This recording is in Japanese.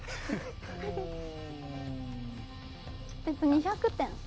２００点。